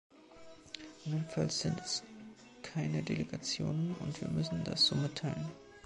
Andernfalls sind es keine Delegationen, und wir müssen das so mitteilen.